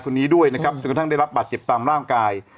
คนนี้ด้วยนะครับจนกระทั่งได้รับบาดเจ็บตามร่างกาย